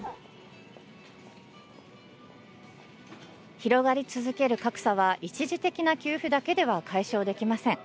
広がり続ける格差は一時的な給付だけでは解消できません。